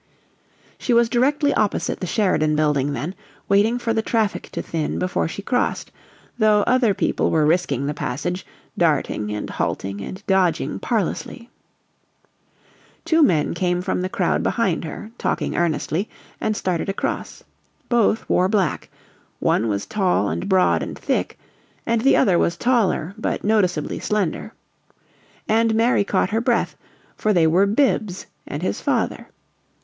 She was directly opposite the Sheridan Building then, waiting for the traffic to thin before she crossed, though other people were risking the passage, darting and halting and dodging parlously. Two men came from the crowd behind her, talking earnestly, and started across. Both wore black; one was tall and broad and thick, and the other was taller, but noticeably slender. And Mary caught her breath, for they were Bibbs and his father.